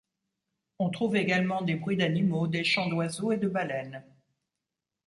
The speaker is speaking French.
On trouve également des bruits d'animaux, des chants d'oiseaux et de baleines.